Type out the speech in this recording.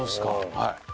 はい。